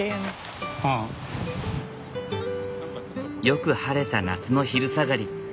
よく晴れた夏の昼下がり。